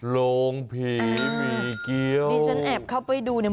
โรงผีหมี่เกี้ยวดิฉันแอบเข้าไปดูเนี่ย